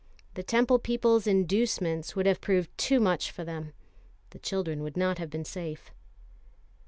The Temple people's inducements would have proved too much for them. The children would not have been safe.